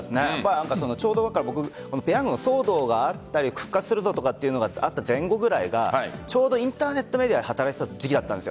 ちょうど、僕ペヤングの騒動があったり復活するぞとかってあった前後がちょうどインターネットメディアで働いていた時期だったんです。